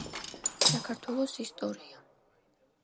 საქართველოს ისტორია